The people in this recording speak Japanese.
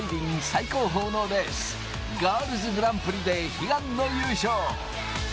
最高峰のレース、ガールズグランプリで悲願の優勝。